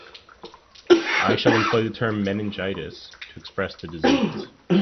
I shall employ the term meningitis to express the disease